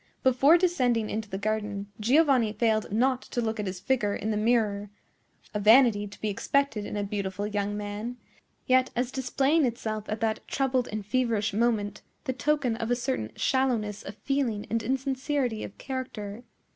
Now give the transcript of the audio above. Before descending into the garden, Giovanni failed not to look at his figure in the mirror,—a vanity to be expected in a beautiful young man, yet, as displaying itself at that troubled and feverish moment, the token of a certain shallowness of feeling and insincerity of character.